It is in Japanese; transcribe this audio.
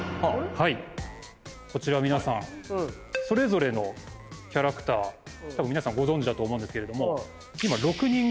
こちら皆さんそれぞれのキャラクターたぶん皆さんご存じだと思うんですけれども。